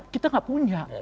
kita gak punya